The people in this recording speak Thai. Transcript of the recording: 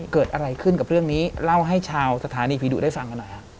เกิดอะไรขึ้นกับเรื่องนี้เล่าให้ชาวสถานีผีดุได้ฟังกันหน่อยฮะ